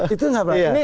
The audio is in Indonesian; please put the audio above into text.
itu enggak apa apa